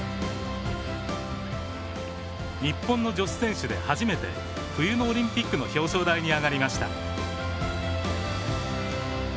日本の女子選手で初めて冬のオリンピックの表彰台に上がりました。